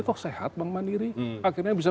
toh sehat bank mandiri akhirnya bisa